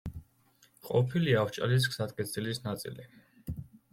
ყოფილი ავჭალის გზატკეცილის ნაწილი.